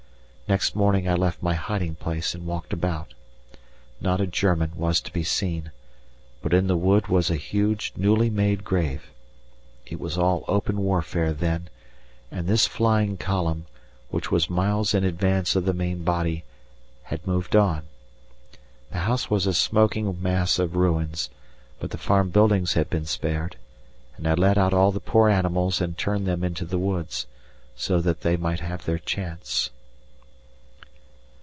Next morning I left my hiding place and walked about. Not a German was to be seen, but in the wood was a huge newly made grave. It was all open warfare then, and this flying column, which was miles in advance of the main body, had moved on. The house was a smoking mass of ruins, but the farm buildings had been spared, and I let out all the poor animals and turned them into the woods, so that they might have their chance.